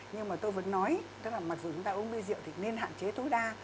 nhưng mà tôi vẫn nói tức là mặc dù chúng ta uống bia rượu thì nên hạn chế tối đa